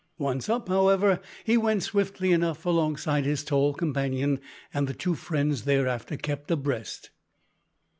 Once up, however, he went swiftly enough alongside his tall companion, and the two friends thereafter kept abreast.